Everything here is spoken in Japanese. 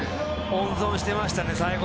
温存してましたね。